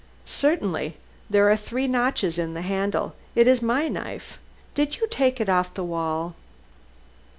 "Certainly. There are three notches in the handle. It is my knife. Did you take it off the wall?"